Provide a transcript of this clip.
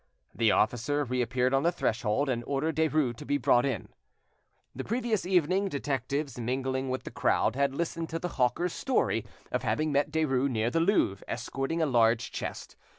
The officer reappeared on the threshold, and ordered Derues to be brought in. The previous evening, detectives, mingling with the crowd, had listened to the hawker's story of having met Derues near the Louvre escorting a large chest.